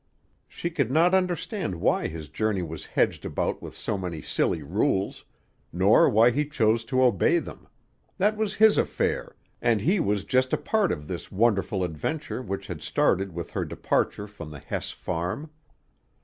She could not understand why his journey was hedged about with so many silly rules, nor why he chose to obey them; that was his affair, and he was just a part of this wonderful adventure which had started with her departure from the Hess farm.